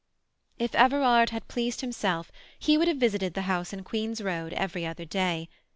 If Everard had pleased himself he would have visited the house in Queen's Road every other day.